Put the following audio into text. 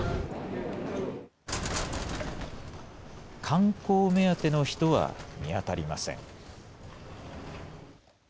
観光目当ての人は見当たりません。